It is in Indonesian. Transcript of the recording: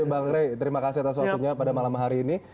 baik mbak titi mbak rey terima kasih atas waktunya pada malam hari ini